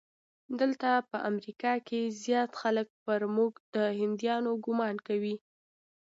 دلته په امریکا کې زیات خلک پر موږ د هندیانو ګومان کوي.